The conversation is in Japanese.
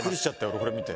俺これ見て。